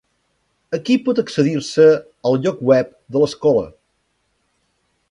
Aquí pot accedir-se al lloc web de l'escola.